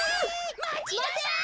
まちなさい！